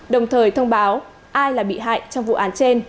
đồng thời thông báo ai là bị hại trong vụ án trên